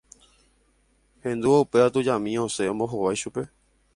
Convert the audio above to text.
hendúvo upéva tujami osẽ ombohovái chupe